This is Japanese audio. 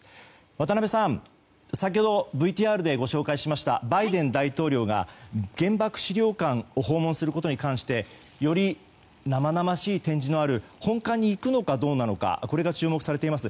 渡辺さん先ほどＶＴＲで紹介しましたバイデン大統領が原爆資料館を訪問することに関してより生々しい展示がある本館に行くのかどうなのかこれが注目されています。